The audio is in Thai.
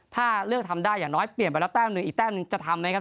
ถ้าเลือกทำได้อย่างน้อยเปลี่ยนไปแล้วแต้มหนึ่งอีกแต้มหนึ่งจะทำนะครับ